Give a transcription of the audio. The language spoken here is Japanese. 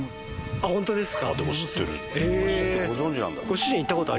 あっホントですか。